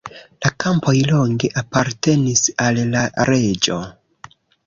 La kampoj longe apartenis al la reĝo.